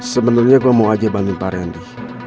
sebenarnya saya mau aja bantu pak rendi